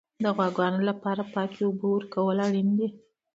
د غواګانو لپاره پاکې اوبه ورکول اړین دي.